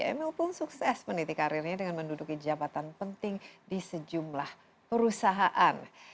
emil pun sukses meniti karirnya dengan menduduki jabatan penting di sejumlah perusahaan